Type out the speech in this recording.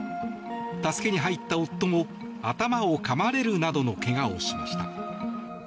助けに入った夫も頭をかまれるなどの怪我をしました。